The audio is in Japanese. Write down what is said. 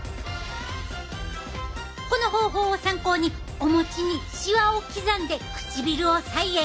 この方法を参考にお餅にしわを刻んで唇を再現。